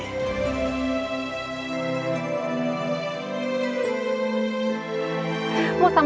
aku ingin mencintaimu